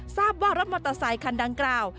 ทราบว่ารถมอเตอร์ไซคันดังกล่าว